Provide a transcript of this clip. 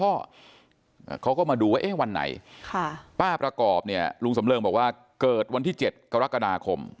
เขาก็มาดูว่าเอ๊ะวันไหนป้าประกอบเนี่ยลุงสำเริงบอกว่าเกิดวันที่๗กรกฎาคม